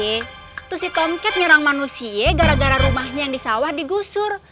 itu si tomcat nyerang manusia gara gara rumahnya yang disawah digusur